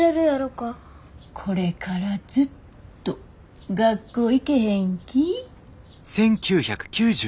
これからずっと学校行けへん気ぃ？